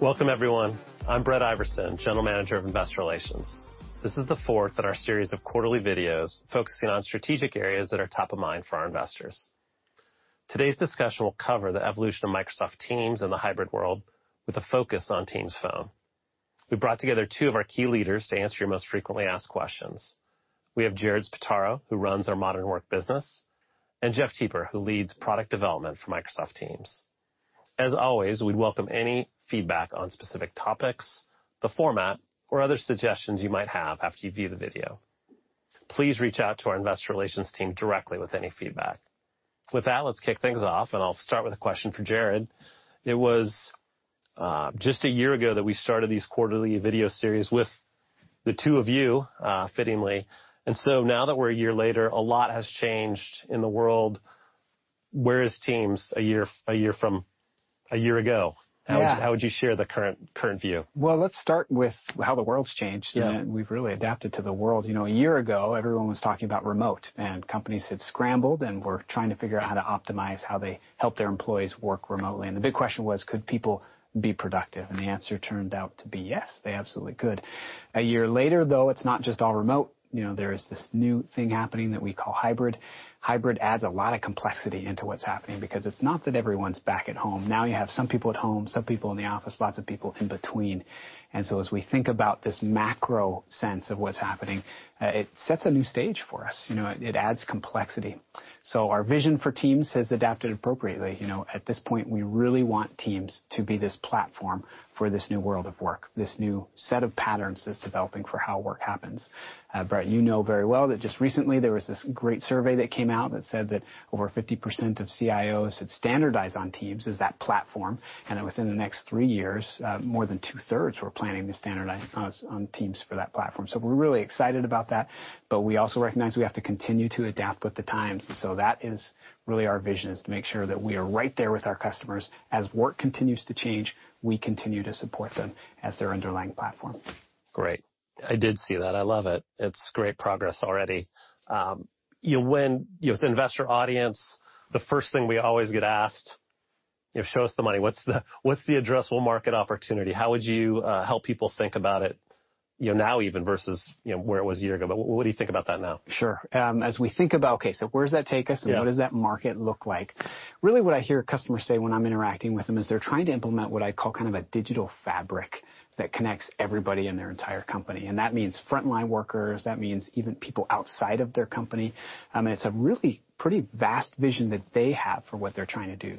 Welcome everyone. I'm Brett Iversen, General Manager of Investor Relations. This is the fourth in our series of quarterly videos focusing on strategic areas that are top of mind for our investors. Today's discussion will cover the evolution of Microsoft Teams in the hybrid world with a focus on Teams Phone. We brought together two of our key leaders to answer your most frequently asked questions. We have Jared Spataro, who runs our modern work business, and Jeff Teper, who leads product development for Microsoft Teams. As always, we'd welcome any feedback on specific topics, the format, or other suggestions you might have after you view the video. Please reach out to our investor relations team directly with any feedback. With that, let's kick things off, and I'll start with a question for Jared. It was just a year ago that we started these quarterly video series with the two of you, fittingly. Now that we're a year later, a lot has changed in the world. Where is Teams a year from a year ago? Yeah. How would you share the current view? Well, let's start with how the world's changed. Yeah. We've really adapted to the world. You know, a year ago, everyone was talking about remote, and companies had scrambled and were trying to figure out how to optimize how they help their employees work remotely. The big question was, could people be productive? The answer turned out to be yes, they absolutely could. A year later, though, it's not just all remote. You know, there is this new thing happening that we call hybrid. Hybrid adds a lot of complexity into what's happening because it's not that everyone's back at home. Now you have some people at home, some people in the office, lots of people in between. As we think about this macro sense of what's happening, it sets a new stage for us. You know, it adds complexity. Our vision for Teams has adapted appropriately. You know, at this point, we really want Teams to be this platform for this new world of work, this new set of patterns that's developing for how work happens. Brett, you know very well that just recently there was this great survey that came out that said that over 50% of CIOs had standardized on Teams as that platform, and that within the next three years, more than two-thirds were planning to standardize on Teams for that platform. We're really excited about that, but we also recognize we have to continue to adapt with the times. That is really our vision, is to make sure that we are right there with our customers. As work continues to change, we continue to support them as their underlying platform. Great. I did see that. I love it. It's great progress already. You know, when, you know, as an investor audience, the first thing we always get asked, you know, "Show us the money. What's the, what's the addressable market opportunity?" How would you help people think about it, you know, now even versus, you know, where it was a year ago? What do you think about that now? Sure. Where does that take us? Yeah What does that market look like? Really what I hear customers say when I'm interacting with them is they're trying to implement what I call kind of a digital fabric that connects everybody in their entire company. That means frontline workers. That means even people outside of their company. I mean, it's a really pretty vast vision that they have for what they're trying to do.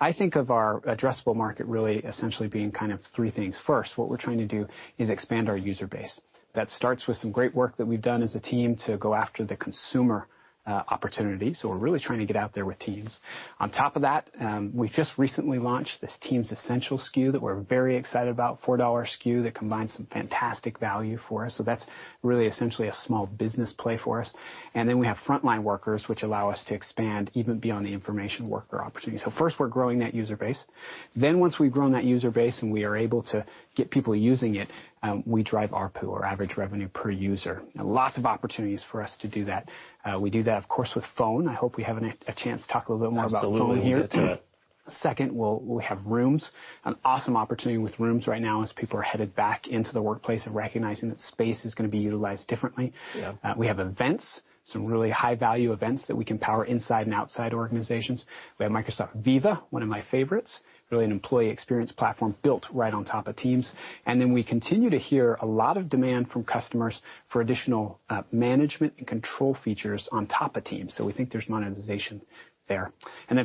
I think of our addressable market really essentially being kind of three things. First, what we're trying to do is expand our user base. That starts with some great work that we've done as a team to go after the consumer opportunity. We're really trying to get out there with Teams. On top of that, we just recently launched this Teams Essentials SKU that we're very excited about, $4 SKU that combines some fantastic value for us. That's really essentially a small business play for us. We have frontline workers, which allow us to expand even beyond the information worker opportunity. First, we're growing that user base. Once we've grown that user base, and we are able to get people using it, we drive ARPU or average revenue per user. Lots of opportunities for us to do that. We do that, of course, with Phone. I hope we have a chance to talk a little bit more about Phone here. Absolutely. We'll get to it. Second, we have Rooms. An awesome opportunity with Rooms right now as people are headed back into the workplace and recognizing that space is gonna be utilized differently. Yeah. We have Events, some really high-value events that we can power inside and outside organizations. We have Microsoft Viva, one of my favorites, really an employee experience platform built right on top of Teams. We continue to hear a lot of demand from customers for additional management and control features on top of Teams, so we think there's monetization there.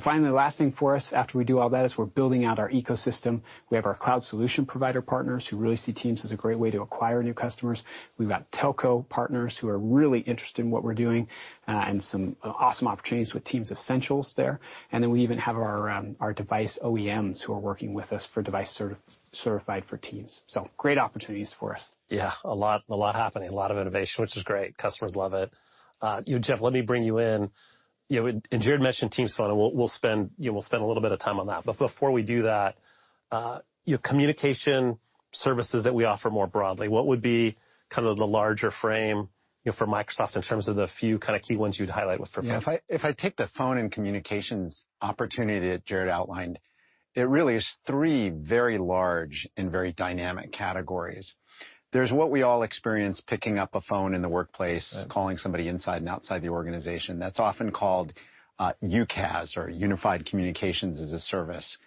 Finally, the last thing for us after we do all that is we're building out our ecosystem. We have our cloud solution provider partners who really see Teams as a great way to acquire new customers. We've got telco partners who are really interested in what we're doing, and some awesome opportunities with Teams Essentials there. We even have our device OEMs who are working with us for device certified for Teams. Great opportunities for us. Yeah, a lot happening, a lot of innovation, which is great. Customers love it. You, Jeff, let me bring you in. You know, Jared mentioned Teams Phone, and we'll spend, you know, a little bit of time on that. But before we do that, you know, communication services that we offer more broadly, what would be kind of the larger frame, you know, for Microsoft in terms of the few kind of key ones you'd highlight with preference? Yeah. If I take the phone and communications opportunity that Jared outlined, it really is three very large and very dynamic categories. There's what we all experience picking up a phone in the workplace. Yeah Calling somebody inside and outside the organization. That's often called UCaaS or unified communications as a service.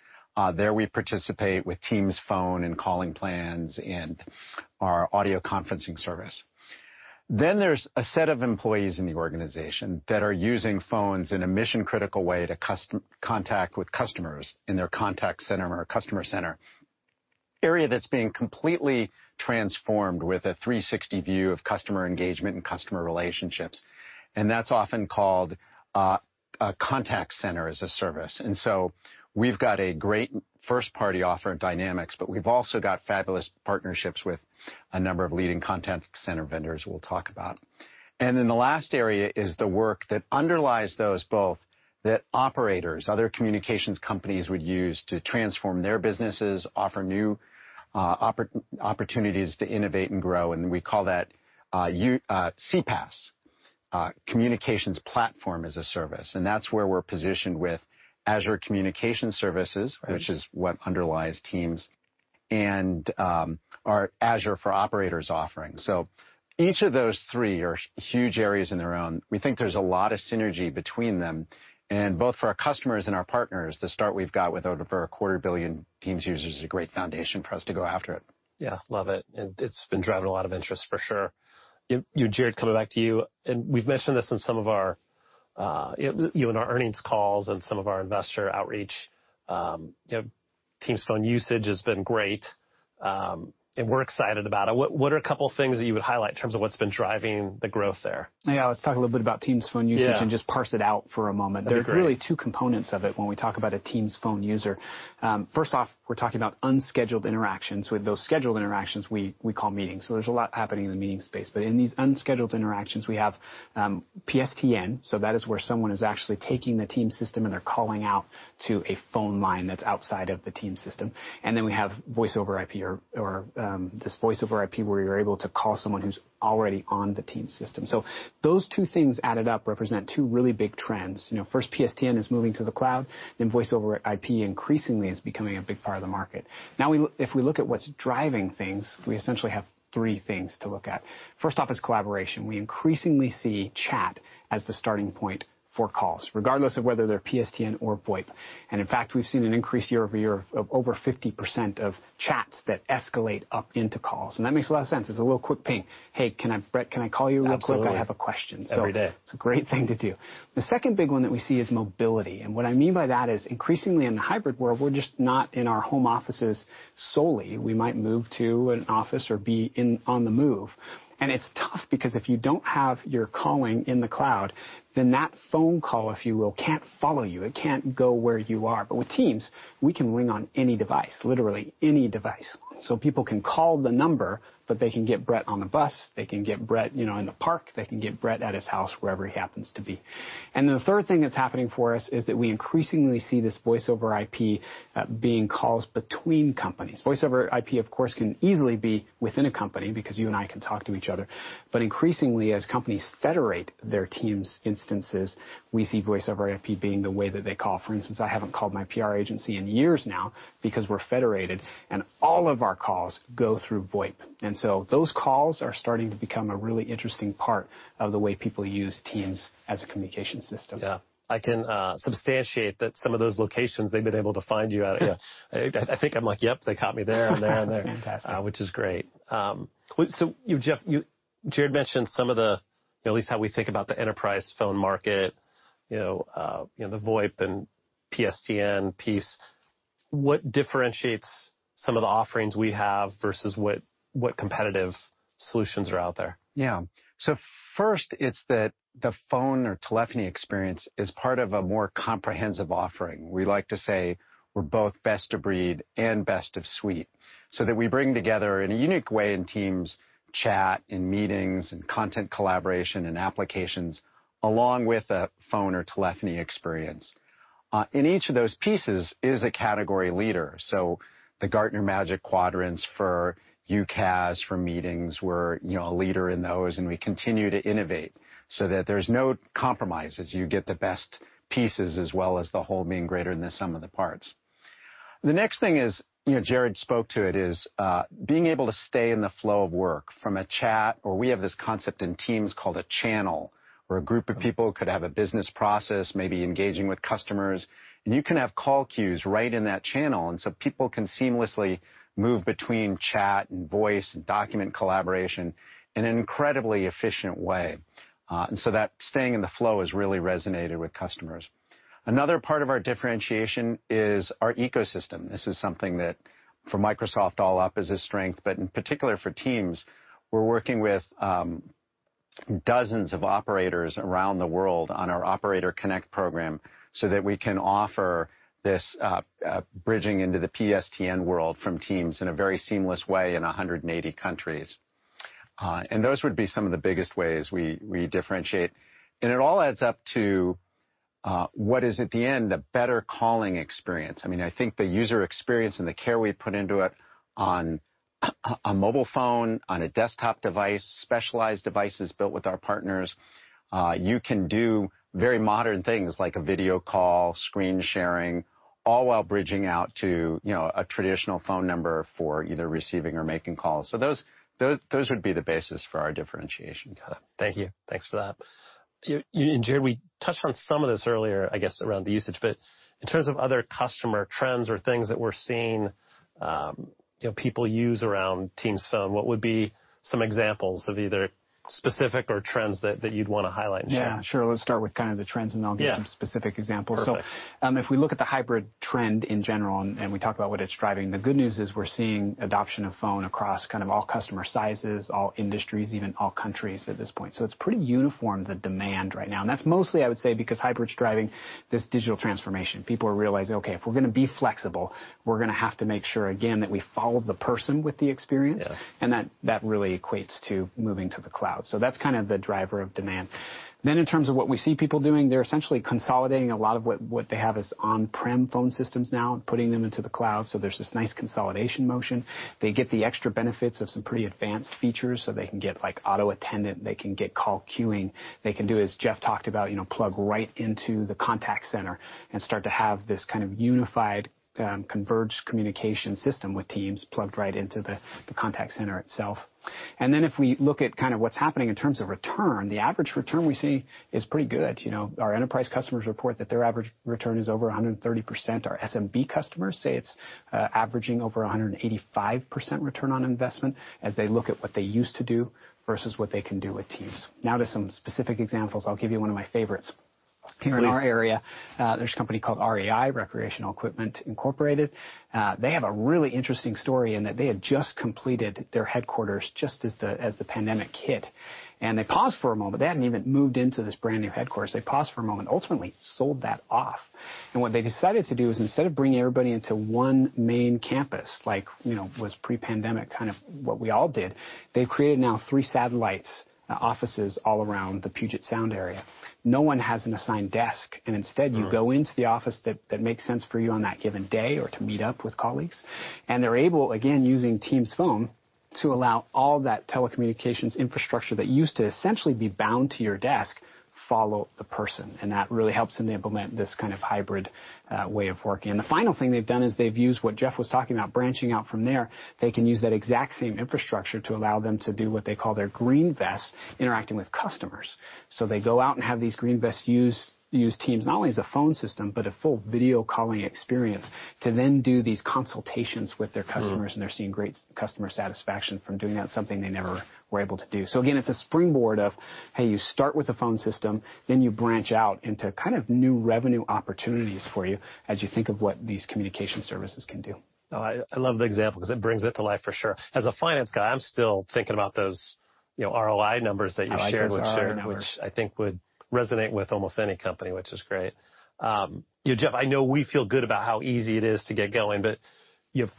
There we participate with Teams Phone and calling plans and our audio conferencing service. Then there's a set of employees in the organization that are using phones in a mission-critical way to contact with customers in their contact center or customer center, area that's being completely transformed with a 360 view of customer engagement and customer relationships, and that's often called a contact center as a service. We've got a great first-party offer of Dynamics, but we've also got fabulous partnerships with a number of leading contact center vendors we'll talk about. The last area is the work that underlies those both that operators, other communications companies would use to transform their businesses, offer new, opportunities to innovate and grow, and we call that, CPaaS. Communications platform as a service, and that's where we're positioned with Azure Communication Services. Right. which is what underlies Teams and our Azure for Operators offering. Each of those three are huge areas on their own. We think there's a lot of synergy between them. Both for our customers and our partners, the start we've got with over a quarter billion Teams users is a great foundation for us to go after it. Yeah. Love it, and it's been driving a lot of interest for sure. You, Jared, coming back to you, and we've mentioned this in some of our, you know, in our earnings calls and some of our investor outreach, you know, Teams Phone usage has been great, and we're excited about it. What are a couple things that you would highlight in terms of what's been driving the growth there? Yeah. Let's talk a little bit about Teams Phone usage. Yeah Just parse it out for a moment. That'd be great. There are really two components of it when we talk about a Teams Phone user. First off, we're talking about unscheduled interactions with those scheduled interactions we call meetings. There's a lot happening in the meeting space. In these unscheduled interactions we have PSTN, so that is where someone is actually taking the Teams system, and they're calling out to a phone line that's outside of the Teams system. Then we have voice over IP or this voice over IP where you're able to call someone who's already on the Teams system. Those two things added up represent two really big trends. You know, first PSTN is moving to the cloud, and voice over IP increasingly is becoming a big part of the market. Now if we look at what's driving things, we essentially have three things to look at. First off is collaboration. We increasingly see chat as the starting point for calls, regardless of whether they're PSTN or VoIP. In fact, we've seen an increase year-over-year of over 50% of chats that escalate up into calls. That makes a lot of sense. It's a little quick ping, "Hey, Brett, can I call you really quick? Absolutely. I have a question. Every day. It's a great thing to do. The second big one that we see is mobility, and what I mean by that is increasingly in the hybrid world, we're just not in our home offices solely. We might move to an office or be on the move. It's tough because if you don't have your calling in the cloud, then that phone call, if you will, can't follow you. It can't go where you are. With Teams, we can ring on any device, literally any device. People can call the number, but they can get Brett on the bus, they can get Brett, you know, in the park, they can get Brett at his house, wherever he happens to be. Then the third thing that's happening for us is that we increasingly see this voice over IP being calls between companies. Voice over IP, of course, can easily be within a company because you and I can talk to each other. Increasingly as companies federate their Teams instances, we see voice over IP being the way that they call. For instance, I haven't called my PR agency in years now because we're federated, and all of our calls go through VoIP. Those calls are starting to become a really interesting part of the way people use Teams as a communication system. Yeah. I can substantiate that some of those locations they've been able to find you at. Yeah. I think I'm like, "Yep, they got me there and there and there. Fantastic. Which is great. So, Jeff, Jared mentioned some of the, at least how we think about the enterprise phone market, you know, you know, the VoIP and PSTN piece. What differentiates some of the offerings we have versus what competitive solutions are out there? Yeah. First it's that the phone or telephony experience is part of a more comprehensive offering. We like to say we're both best of breed and best of suite, so that we bring together in a unique way in Teams chat, in meetings, in content collaboration and applications, along with a phone or telephony experience. In each of those pieces is a category leader. The Gartner Magic Quadrants for UCaaS, for meetings, we're, you know, a leader in those, and we continue to innovate so that there's no compromise, as you get the best pieces as well as the whole being greater than the sum of the parts. The next thing is, you know, Jared spoke to it, being able to stay in the flow of work from a chat or we have this concept in Teams called a channel, where a group of people could have a business process, maybe engaging with customers, and you can have call queues right in that channel, and so people can seamlessly move between chat and voice and document collaboration in an incredibly efficient way. That staying in the flow has really resonated with customers. Another part of our differentiation is our ecosystem. This is something that for Microsoft all up is a strength, but in particular for Teams, we're working with dozens of operators around the world on our Operator Connect program so that we can offer this bridging into the PSTN world from Teams in a very seamless way in 180 countries. Those would be some of the biggest ways we differentiate. It all adds up to what is at the end a better calling experience. I mean, I think the user experience and the care we put into it on a mobile phone, on a desktop device, specialized devices built with our partners, you can do very modern things like a video call, screen sharing, all while bridging out to, you know, a traditional phone number for either receiving or making calls. Those would be the basis for our differentiation. Got it. Thank you. Thanks for that. You and Jared, we touched on some of this earlier, I guess around the usage, but in terms of other customer trends or things that we're seeing, you know, people use around Teams Phone, what would be some examples of either specific or trends that you'd wanna highlight and share? Yeah, sure. Let's start with kind of the trends, and I'll give. Yeah some specific examples. Perfect. If we look at the hybrid trend in general and we talk about what it's driving, the good news is we're seeing adoption of phone across kind of all customer sizes, all industries, even all countries at this point. It's pretty uniform, the demand right now, and that's mostly I would say because hybrid's driving this digital transformation. People are realizing, okay, if we're gonna be flexible, we're gonna have to make sure again that we follow the person with the experience. Yeah. That really equates to moving to the cloud. That's kind of the driver of demand. In terms of what we see people doing, they're essentially consolidating a lot of what they have as on-prem phone systems now and putting them into the cloud, so there's this nice consolidation motion. They get the extra benefits of some pretty advanced features, so they can get like auto attendant, they can get call queuing, they can do as Jeff talked about, you know, plug right into the contact center and start to have this kind of unified, converged communication system with Teams plugged right into the contact center itself. If we look at kind of what's happening in terms of return, the average return we see is pretty good. You know, our enterprise customers report that their average return is over 130%. Our SMB customers say it's averaging over 185% return on investment as they look at what they used to do versus what they can do with Teams. Now to some specific examples. I'll give you one of my favorites. Here in our area, there's a company called REI, Recreational Equipment Incorporated. They have a really interesting story in that they had just completed their headquarters just as the pandemic hit. They paused for a moment. They hadn't even moved into this brand-new headquarters. Ultimately sold that off. What they decided to do is instead of bringing everybody into one main campus, like, you know, was pre-pandemic kind of what we all did, they've created now three satellite offices all around the Puget Sound area. No one has an assigned desk, and instead you go into the office that makes sense for you on that given day or to meet up with colleagues. They're able, again, using Teams Phone to allow all that telecommunications infrastructure that used to essentially be bound to your desk follow the person, and that really helps them implement this kind of hybrid way of working. The final thing they've done is they've used what Jeff was talking about, branching out from there, they can use that exact same infrastructure to allow them to do what they call their Green Vest, interacting with customers. They go out and have these Green Vests use Teams not only as a phone system, but a full video calling experience, to then do these consultations with their customers. They're seeing great customer satisfaction from doing that, something they never were able to do. Again, it's a springboard of, hey, you start with a phone system, then you branch out into kind of new revenue opportunities for you as you think of what these communication services can do. Oh, I love the example 'cause it brings it to life for sure. As a finance guy, I'm still thinking about those, you know, ROI numbers that you shared. I like those ROI numbers. which I think would resonate with almost any company, which is great. You know, Jeff, I know we feel good about how easy it is to get going, but, you know,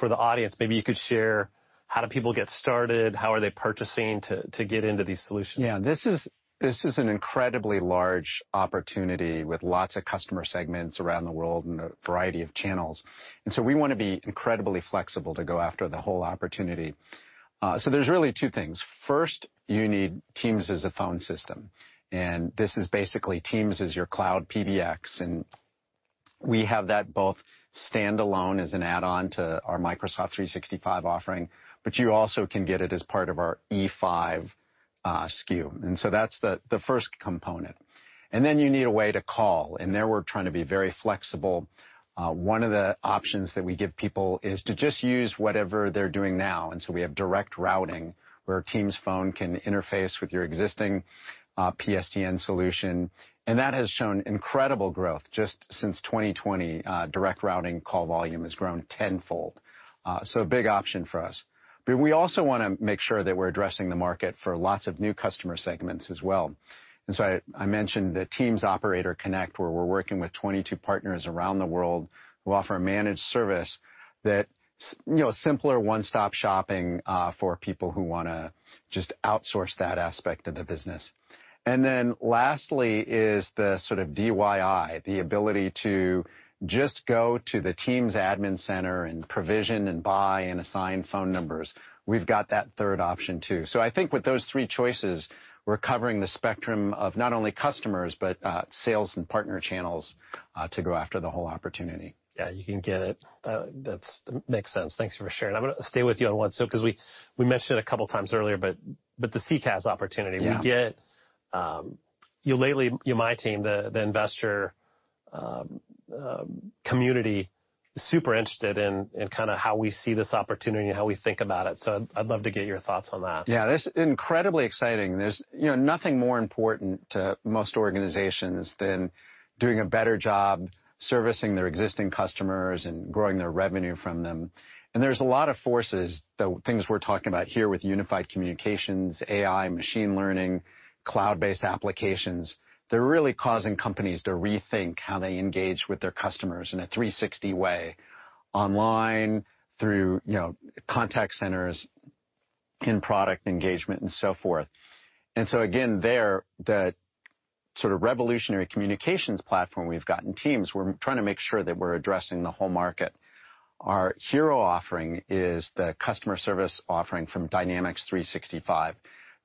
for the audience, maybe you could share how do people get started, how are they purchasing to get into these solutions? Yeah. This is an incredibly large opportunity with lots of customer segments around the world and a variety of channels. We wanna be incredibly flexible to go after the whole opportunity. There's really two things. First, you need Teams as a phone system, and this is basically Teams as your cloud PBX, and we have that both standalone as an add-on to our Microsoft 365 offering. You also can get it as part of our E5 SKU. That's the first component. You need a way to call, and there we're trying to be very flexible. One of the options that we give people is to just use whatever they're doing now, and so we have direct routing where Teams Phone can interface with your existing PSTN solution. That has shown incredible growth. Just since 2020, direct routing call volume has grown tenfold. A big option for us. We also wanna make sure that we're addressing the market for lots of new customer segments as well. I mentioned the Teams Operator Connect, where we're working with 22 partners around the world who offer a managed service that, you know, simpler, one-stop shopping, for people who wanna just outsource that aspect of the business. Lastly is the sort of DIY, the ability to just go to the Teams admin center and provision and buy and assign phone numbers. We've got that third option too. I think with those three choices, we're covering the spectrum of not only customers, but sales and partner channels, to go after the whole opportunity. Yeah. You can get it. That makes sense. Thanks for sharing. I'm gonna stay with you on one, so 'cause we mentioned a couple times earlier, but the CCaaS opportunity. Yeah. We get, you know, lately, you know, my team, the investor community super interested in kinda how we see this opportunity and how we think about it. I'd love to get your thoughts on that. Yeah. This is incredibly exciting. There's, you know, nothing more important to most organizations than doing a better job servicing their existing customers and growing their revenue from them. There's a lot of forces, the things we're talking about here with unified communications, AI, machine learning, cloud-based applications, they're really causing companies to rethink how they engage with their customers in a 360 way. Online, through, you know, contact centers, in product engagement and so forth. Again, there, the sort of revolutionary communications platform we've got in Teams, we're trying to make sure that we're addressing the whole market. Our hero offering is the customer service offering from Dynamics 365.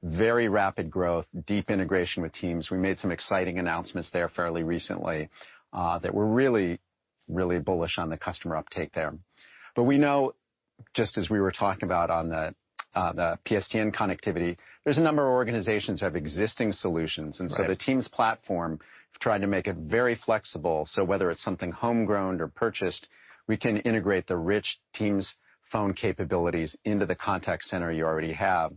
Very rapid growth, deep integration with Teams. We made some exciting announcements there fairly recently, that we're really bullish on the customer uptake there. We know, just as we were talking about on the PSTN connectivity, there's a number of organizations who have existing solutions. Right. The Teams platform, we've tried to make it very flexible, so whether it's something homegrown or purchased, we can integrate the rich Teams Phone capabilities into the contact center you already have.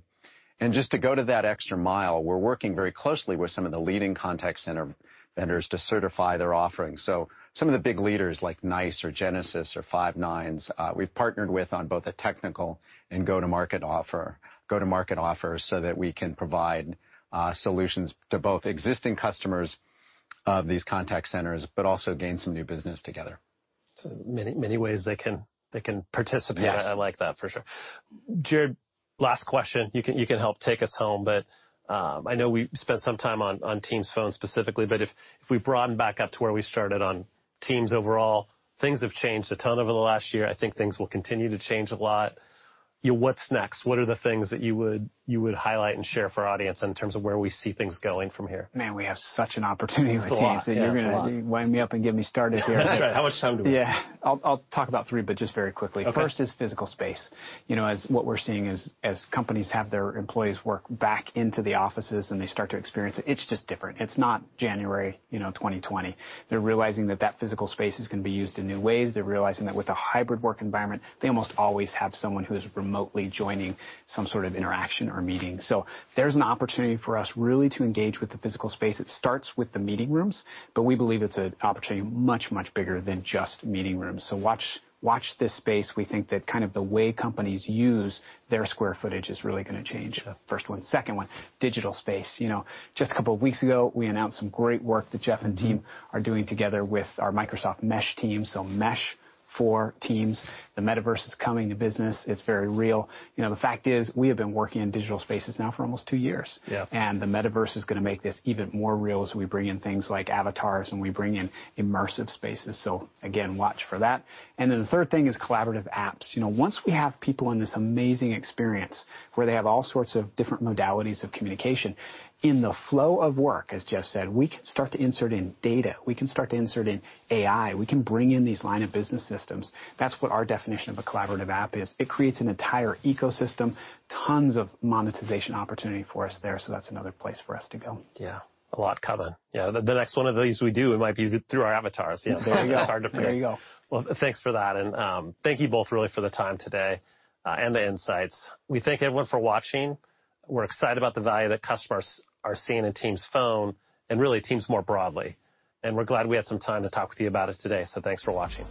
Just to go to that extra mile, we're working very closely with some of the leading contact center vendors to certify their offerings. Some of the big leaders, like NICE or Genesys or Five9, we've partnered with on both a technical and go-to-market offer, so that we can provide solutions to both existing customers of these contact centers, but also gain some new business together. Many ways they can participate. Yes. I like that, for sure. Jared, last question. You can help take us home, but I know we spent some time on Teams Phone specifically, but if we broaden back up to where we started on Teams overall, things have changed a ton over the last year. I think things will continue to change a lot. You know, what's next? What are the things that you would highlight and share for our audience in terms of where we see things going from here? Man, we have such an opportunity with Teams. It's a lot. Yeah, it's a lot. You're gonna wind me up and get me started here. That's right. How much time do we have? Yeah. I'll talk about three, but just very quickly. Okay. First is physical space. You know, as what we're seeing is as companies have their employees work back into the offices and they start to experience it's just different. It's not January, you know, 2020. They're realizing that that physical space is gonna be used in new ways. They're realizing that with a hybrid work environment, they almost always have someone who is remotely joining some sort of interaction or meeting. There's an opportunity for us really to engage with the physical space. It starts with the meeting rooms, but we believe it's an opportunity much, much bigger than just meeting rooms. Watch this space. We think that kind of the way companies use their square footage is really gonna change. The first one. Second one, digital space. You know, just a couple of weeks ago, we announced some great work that Jeff and team are doing together with our Microsoft Mesh team, so Mesh for Teams. The metaverse is coming to business. It's very real. You know, the fact is, we have been working in digital spaces now for almost two years. Yeah. The metaverse is gonna make this even more real as we bring in things like avatars and we bring in immersive spaces. Again, watch for that. The third thing is collaborative apps. You know, once we have people in this amazing experience where they have all sorts of different modalities of communication, in the flow of work, as Jeff said, we can start to insert in data. We can start to insert in AI. We can bring in these line of business systems. That's what our definition of a collaborative app is. It creates an entire ecosystem, tons of monetization opportunity for us there. That's another place for us to go. Yeah. A lot coming. Yeah. The next one of these we do, it might be through our avatars. Yeah. There you go. It's hard to predict. There you go. Well, thanks for that. Thank you both really for the time today, and the insights. We thank everyone for watching. We're excited about the value that customers are seeing in Teams Phone and really Teams more broadly. We're glad we had some time to talk to you about it today, so thanks for watching.